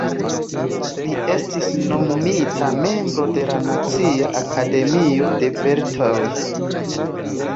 Li estis nomumita membro de la Nacia Akademio de Belartoj.